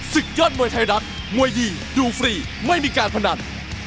ศึกยอดมวยไทยรัฐมวยดีดูฟรีไม่มีการพนัน